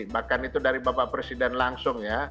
bahkan itu dari bapak presiden langsung ya